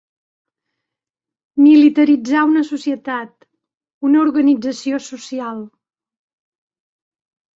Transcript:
Militaritzar una societat, una organització social.